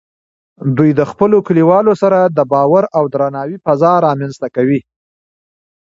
دوی د خپلو کلیوالو سره د باور او درناوي فضا رامینځته کوي.